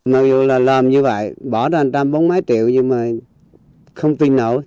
mặc dù là làm như vậy bỏ ra một trăm bốn mươi triệu nhưng mà không tin nổi